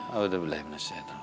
aduh boleh masya allah